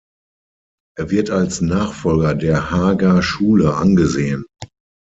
Er wird als Nachfolger der Haager Schule angesehen.